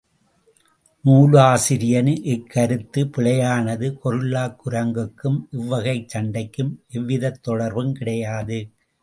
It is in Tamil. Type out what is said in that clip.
நூலாசிரியரின் இக் கருத்து பிழையானது கொரில்லாக் குரங்குக்கும் இவ்வகைச் சண்டைக்கும் எவ்விதத் தொடர்பும் கிடையாது.